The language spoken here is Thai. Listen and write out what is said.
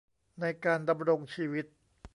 ในการดำรงชีวิต